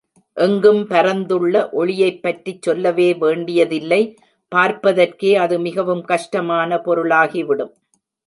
எங்கும் பரந்துள்ள ஒளியைப் பற்றிச் சொல்லவே வேண்டியதில்லை பார்ப்பதற்கே அது மிகவும் கஷ்டமான பொருளாகிவிடும்!